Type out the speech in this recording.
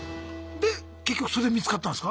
で結局それで見つかったんすか？